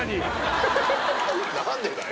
何でだよ。